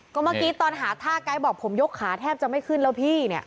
ก็เมื่อกี้ตอนหาท่าไกด์บอกผมยกขาแทบจะไม่ขึ้นแล้วพี่เนี่ย